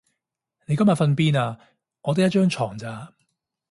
你今晚瞓邊啊？我得一張床咋